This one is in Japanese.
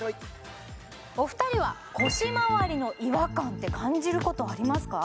お二人は腰まわりの違和感って感じることありますか？